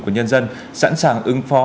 của nhân dân sẵn sàng ứng phó